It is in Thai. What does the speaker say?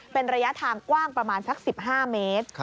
เป็นระยะทางกว้างประมาณสัก๑๕เมตร